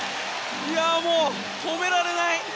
もう止められない！